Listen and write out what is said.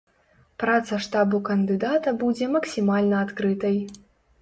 Праца штабу кандыдата будзе максімальна адкрытай.